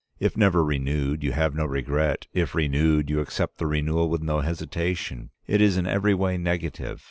If never renewed, you have no regret; if renewed, you accept the renewal with no hesitation. It is in every way negative.